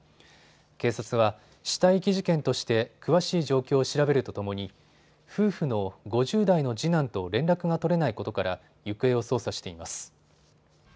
警察は、死体遺棄事件として詳しい状況を調べるとともに夫婦の５０代の次男と連絡が取れないことから行方を捜査しています。